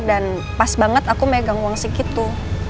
dan pas banget aku megang uang segitu